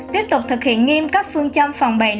tiếp tục thực hiện nghiêm các phương châm phòng bệnh